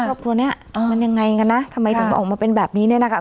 ครอบครัวเนี้ยมันยังไงกันนะทำไมถึงออกมาเป็นแบบนี้เนี่ยนะคะ